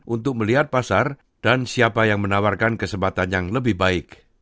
untuk melihat pasar dan siapa yang menawarkan kesempatan yang lebih baik